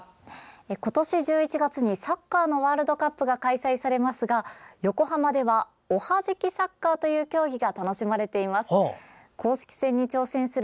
今年１１月にサッカーのワールドカップが開催されますが横浜ではおはじきサッカーという競技が楽しまれています。